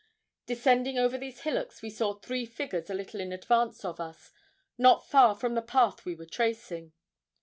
Descending over these hillocks we saw three figures a little in advance of us, not far from the path we were tracing.